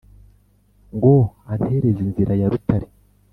ngo antereze inzira ya rutare,